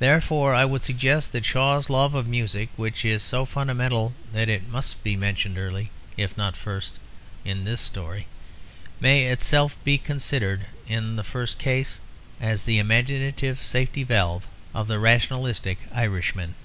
Therefore I would suggest that Shaw's love of music (which is so fundamental that it must be mentioned early, if not first, in his story) may itself be considered in the first case as the imaginative safety valve of the rationalistic Irishman.